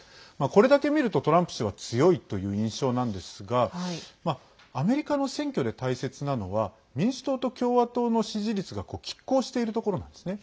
これだけみると、トランプ氏は強いという印象なんですがアメリカの選挙で大切なのは民主党と共和党の支持率がきっ抗しているところなんですね。